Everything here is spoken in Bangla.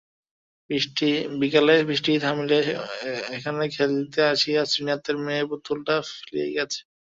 বিকালে বৃষ্টি থামিলে এখানে খেলিতে আসিয়া শ্রীনাথের মেয়ে পুতুলটা ফেলিয়া গিয়াছে।